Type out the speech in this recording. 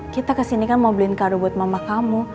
kita kesini kan mau beliin kardo buat mama kamu